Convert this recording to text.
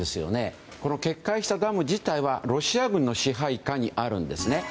決壊したダム自体はロシア軍の支配下にあるんです。